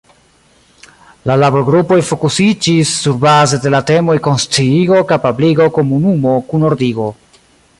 La laborgrupoj fokusiĝis surbaze de la temoj konsciigo, kapabligo, komunumo, kunordigo.